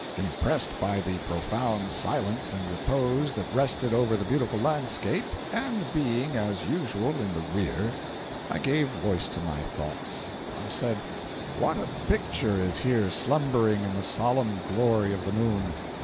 Impressed by the profound silence and repose that rested over the beautiful landscape, and being, as usual, in the rear, I gave voice to my thoughts. I said: "What a picture is here slumbering in the solemn glory of the moon!